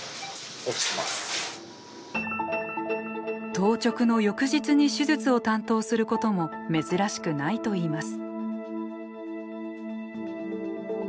当直の翌日に手術を担当することも珍しくないといいます。